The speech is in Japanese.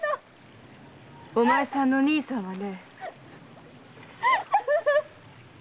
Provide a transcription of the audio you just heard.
お前さんの兄さんはね。